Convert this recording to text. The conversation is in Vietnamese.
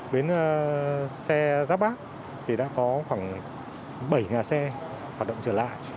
bến xe giáp bác thì đã có khoảng bảy nhà xe hoạt động trở lại